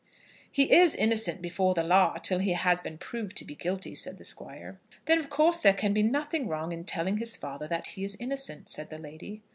"He is innocent before the law till he has been proved to be guilty," said the Squire. "Then of course there can be nothing wrong in telling his father that he is innocent," said the lady.